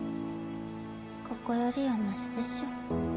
ここよりはマシでしょ。